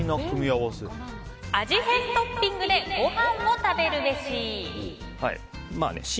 味変トッピングでごはんを食べるべし。